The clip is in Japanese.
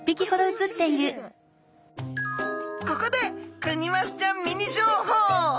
ここでクニマスちゃんミニ情報。